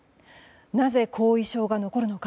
なぜ、後遺症が残るのか。